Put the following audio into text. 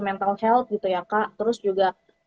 mental health gitu ya kak terus juga